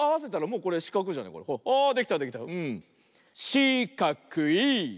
しかくい！